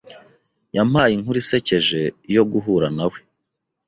Yampaye inkuru isekeje yo guhura nawe.